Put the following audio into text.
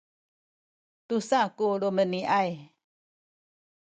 tusa ku lumeni’ay